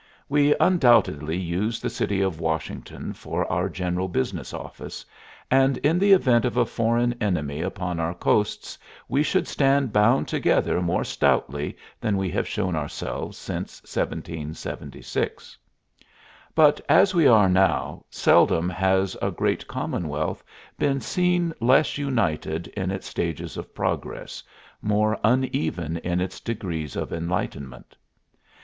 We undoubtedly use the city of Washington for our general business office, and in the event of a foreign enemy upon our coasts we should stand bound together more stoutly than we have shown ourselves since 1776. But as we are now, seldom has a great commonwealth been seen less united in its stages of progress, more uneven in its degrees of enlightenment.